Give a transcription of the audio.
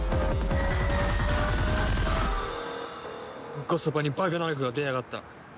ンコソパにバグナラクが出やがった。